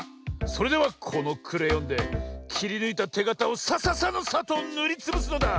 それではこのクレヨンできりぬいたてがたをサササのサッとぬりつぶすのだ！